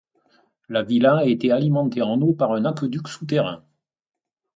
La villa était alimentée en eau par un aqueduc souterrain.